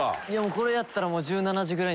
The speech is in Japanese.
これやったらもう。